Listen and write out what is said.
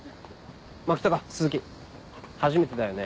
牧高鈴木初めてだよね